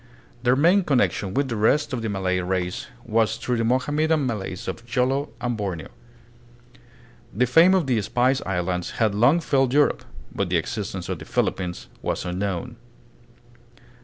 Their main connection with the rest of the Malay race was through the Mohammedan Malays of Jolo and Borneo. The fame of the Spice Islands had long filled Europe, but the existence of the Philippines was unknown.